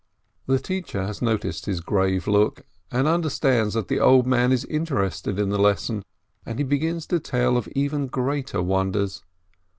The teacher has noticed his grave look, and under stands that the old man is interested in the lesson, and 320 PINSKI he begins to tell of even greater wonders.